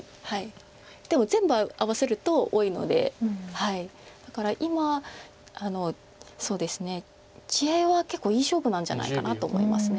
でも全部合わせると多いのでだから今地合いは結構いい勝負なんじゃないかなと思います。